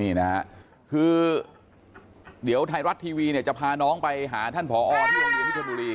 นี่นะฮะคือเดี๋ยวไทยรัฐทีวีเนี่ยจะพาน้องไปหาท่านผอที่โรงเรียนพิธนบุรี